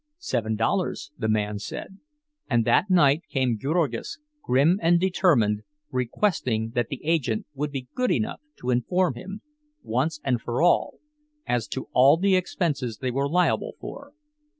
Seven dollars, the man said; and that night came Jurgis, grim and determined, requesting that the agent would be good enough to inform him, once for all, as to all the expenses they were liable for.